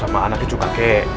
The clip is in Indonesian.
sama anak cucu kakek